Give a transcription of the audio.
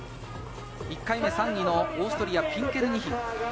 １回目３位のオーストリア、ピンケルニヒ。